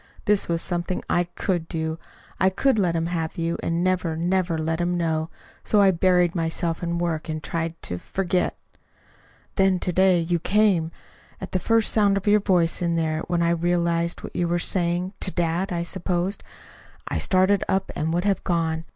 This was something I COULD do. I could let him have you, and never, never let him know. So I buried myself in work and tried to forget. "Then to day you came. At the first sound of your voice in there, when I realized what you were saying (to dad, I supposed), I started up and would have gone.